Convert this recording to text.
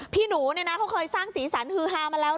พี่หนูเนี่ยนะเขาเคยสร้างสีสันฮือฮามาแล้ว